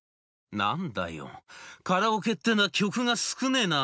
「何だよカラオケってのは曲が少ねえな。